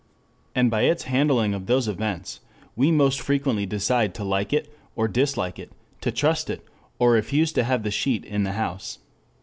And by its handling of those events we most frequently decide to like it or dislike it, to trust it or refuse to have the sheet in the house.